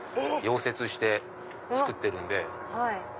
溶接して作ってるんで。